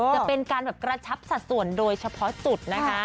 จะเป็นการแบบกระชับสัดส่วนโดยเฉพาะจุดนะคะ